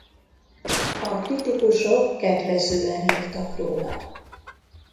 A kritikusok kedvezően írtak róla.